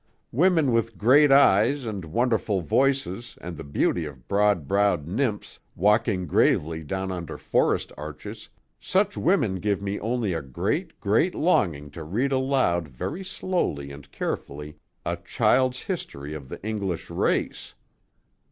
Women with great eyes and wonderful voices and the beauty of broad browed nymphs walking gravely down under forest arches, such women give me only a great, great longing to read aloud very slowly and carefully a 'Child's History of the English Race'!"